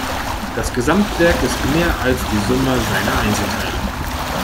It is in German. Das Gesamtwerk ist mehr als die Summe seiner Einzelteile.